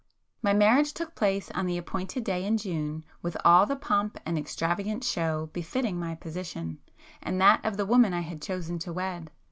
My marriage took place on the appointed day in June with all the pomp and extravagant show befitting my position, and that of the woman I had chosen to wed.